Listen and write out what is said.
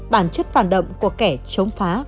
bản chất phản động của kẻ chống phá